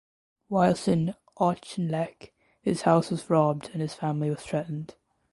Whilst in Auchinleck his house was robbed and his family was threatened.